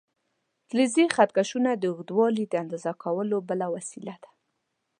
فلزي خط کشونه د اوږدوالي د اندازه کولو بله وسیله ده.